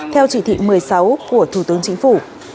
theo chỉ thị một mươi sáu của thủ tướng chính phủ